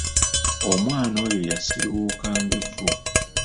Omwana oyo yasiiwuuka nga Evvu.